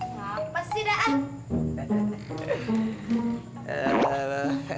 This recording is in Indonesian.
siapa sih da'at